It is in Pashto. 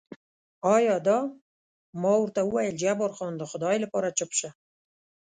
ایا دا؟ ما ورته وویل جبار خان، د خدای لپاره چوپ شه.